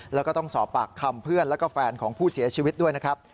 แล้วก็ต้องสอบปากคำเพื่อนแล้วก็แฟนของผู้เสียชีวิตด้วยนะครับ